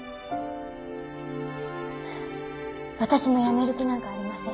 私も辞める気なんかありません。